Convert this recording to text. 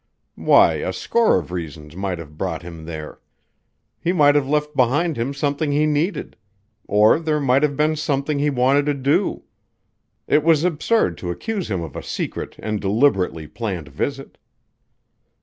Why, a score of reasons might have brought him there! He might have left behind him something he needed; or there might have been something he wanted to do. It was absurd to accuse him of a secret and deliberately planned visit.